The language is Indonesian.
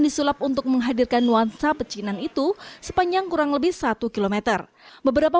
disulap untuk menghadirkan nuansa pecinan itu sepanjang kurang lebih satu km beberapa